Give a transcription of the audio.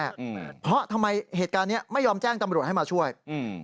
อืมเพราะทำไมเหตุการณ์เนี้ยไม่ยอมแจ้งตำรวจให้มาช่วยอืม